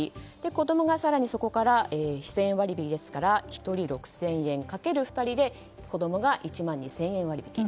子供が更にそこから１０００割引きですから１人６０００円かける２人で子供が１万２０００円割引き。